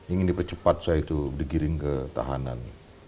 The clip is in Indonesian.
ingin dipercepat saya itu digiring ke tahanan